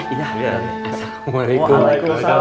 si hus anak pertamanya dikasih nama meta kan